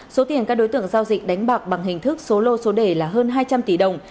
số tiền các đối tượng giao dịch đánh bạc bằng hình thức số lô số đề là hơn hai trăm linh tỷ đồng